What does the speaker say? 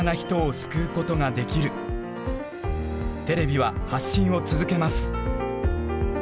テレビは発信を続けます！